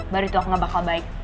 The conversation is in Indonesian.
baru tuh aku gak bakal baik